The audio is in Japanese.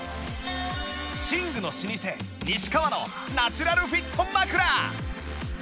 寝具の老舗西川のナチュラルフィット枕